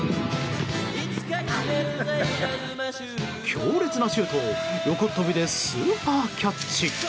強烈なシュートを横っ飛びでスーパーキャッチ！